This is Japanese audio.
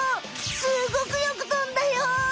すごくよく飛んだよ！